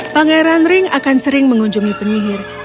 pangeran ring akan sering mengunjungi penyihir